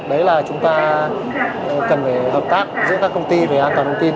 đấy là chúng ta cần phải hợp tác giữa các công ty về an toàn thông tin